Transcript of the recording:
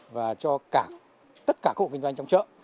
và cho cả tất cả các hộ kinh doanh trong chợ